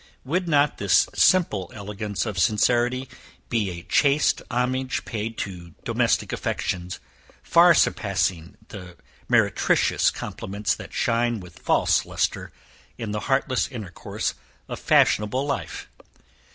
Would not this simple elegance of sincerity be a chaste homage paid to domestic affections, far surpassing the meretricious compliments that shine with false lustre in the heartless intercourse of fashionable life?